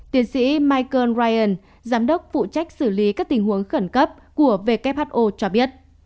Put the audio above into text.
tiến sĩ michael ryan giám đốc phụ trách xử lý các tình huống khẩn cấp của who cho biết